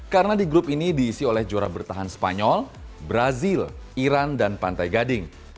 karena di grup ini diisi oleh juara bertahan spanyol brazil iran dan pantai gading